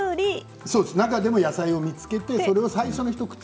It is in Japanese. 中でも野菜を見つけてそれを最初の一口。